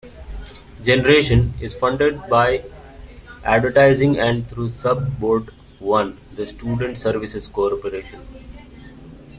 "Generation" is funded by advertising and through Sub-Board I, the student services corporation.